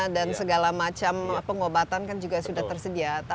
dan segala macam pengobatan kan juga sudah tersedia